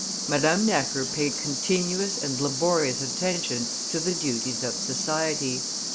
Madame Necker paid continuous and laborious attention to the duties of society.